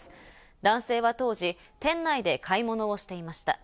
男性は当時、店内で買い物をしていました。